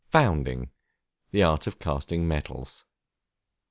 Founding, the art of casting metals.